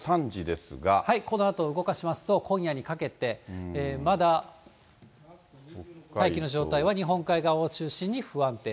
このあと動かしますと、今夜にかけて、まだ大気の状態は日本海側を中心に不安定。